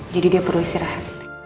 jadi dia perlu istirahat